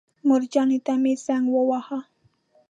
مورجانې ته مې زنګ وواهه.